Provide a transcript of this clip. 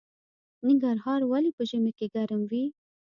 ننګرهار ولې په ژمي کې ګرم وي؟